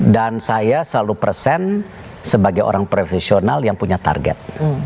dan saya selalu present sebagai orang profesional yang punya target